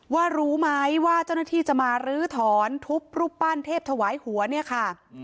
ว่ารู้ไหมว่าเจ้าหน้าที่จะมาลื้อถอนทุบรูปปั้นเทพถวายหัวเนี่ยค่ะ